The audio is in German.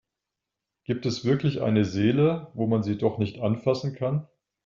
Gibt es wirklich eine Seele, wo man sie doch nicht anfassen kann?